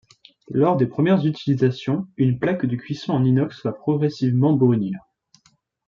Lors des premières utilisations, une plaque de cuisson en inox va progressivement brunir.